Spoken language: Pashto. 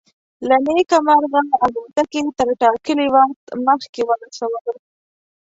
له نیکه مرغه الوتکې تر ټاکلي وخت مخکې ورسولو.